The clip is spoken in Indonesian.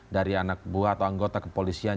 dari anak buah atau anggota kepolisian